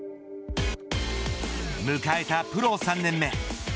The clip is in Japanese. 迎えたプロ３年目。